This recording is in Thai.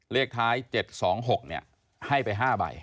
เลขท้าย๗๒๖ให้ไป๕ใบ